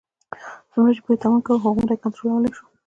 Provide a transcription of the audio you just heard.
څومره چې پرې تمرین کوو، هغومره یې کنټرولولای شو.